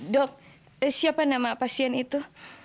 dok siapa nama pasien itu